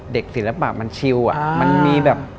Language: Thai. เด็กศิลปะมันชิลล์อะมันมีแบบ